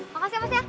makasih mas ya